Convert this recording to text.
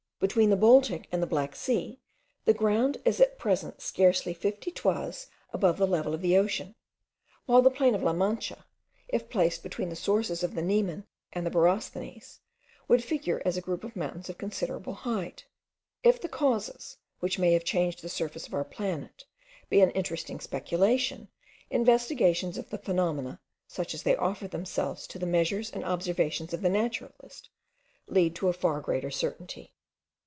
Between the Baltic and the Black Sea, the ground is at present scarcely fifty toises above the level of the ocean, while the plain of La Mancha, if placed between the sources of the Niemen and the Borysthenes, would figure as a group of mountains of considerable height. If the causes, which may have changed the surface of our planet, be an interesting speculation, investigations of the phenomena, such as they offer themselves to the measures and observations of the naturalist, lead to far greater certainty.